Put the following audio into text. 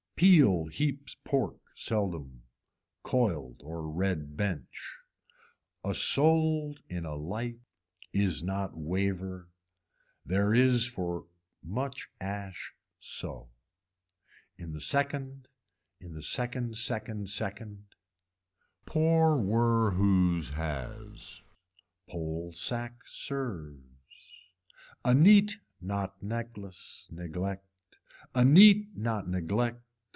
Peel heaps pork seldom. Coiled or red bench. A soled in a light is not waver. There is for much ash so. In the second, in the second second second. Pour were whose has. Pole sack sirs. A neat not necklace neglect. A neat not neglect.